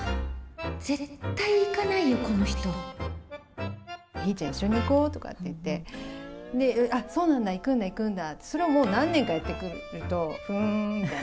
はー、ひーちゃん、一緒に行こうとか言って、えっ、そうなんだ、行くんだ行くんだ、それをもう何年かやってくると、ふーんみたいな。